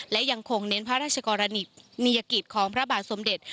และยังคงเน้นพระราชกรณียกิจของพระบาทสมเด็จ